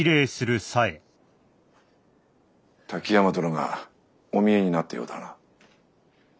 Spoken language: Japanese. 滝山殿がお見えになったようだな。